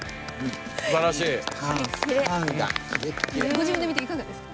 ご自分で見ていかがですか？